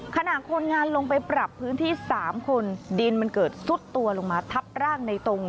ขณะคนงานลงไปปรับพื้นที่๓คนดินมันเกิดซุดตัวลงมาทับร่างในตรง